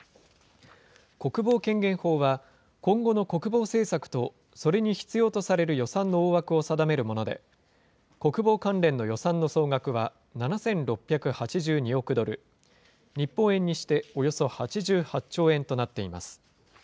国防権限法は、今後の国防政策と、それに必要とされる予算の大枠を定めるもので、国防関連の予算の総額は７６８２億ドル、日本円にしておよそ８８兆円となっています。